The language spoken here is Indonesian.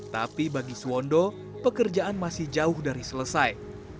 tapi bagi suwondo pekerjaan masih jauh dari selesai